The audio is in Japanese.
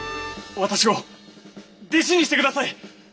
私を弟子にしてください。